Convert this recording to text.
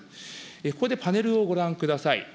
ここでパネルをご覧ください。